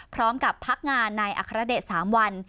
พร้อมกับพักงานในอัครเดช๓วัน